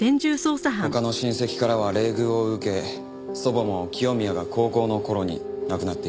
他の親戚からは冷遇を受け祖母も清宮が高校の頃に亡くなっています。